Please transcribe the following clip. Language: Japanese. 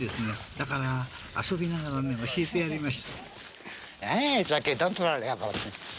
だから遊びながら教えてやりました。